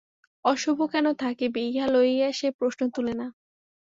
অশুভ কেন থাকিবে, ইহা লইয়া সে প্রশ্ন তুলে না।